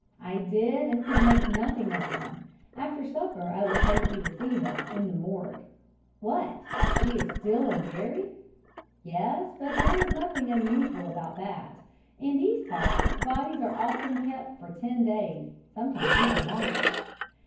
"I did, and could make nothing of them. After supper I will take you to see her, in the morgue." "What she is still unburied?" "Yes but there is nothing unusual about that. In these parts bodies are often kept for ten days sometimes even longer."